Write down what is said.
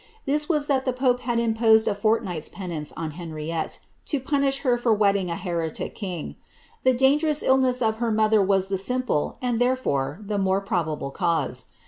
This was that the pope had imposed a fortnight^s penance on Henriette, to punish her for wedding a heretic king ! The dangerous ilhiess of her mother was the simple, and therefore the more probable cause.